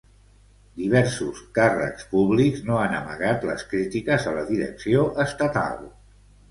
Diversos càrrecs públics no han amagat les crítiques a la direcció estatal.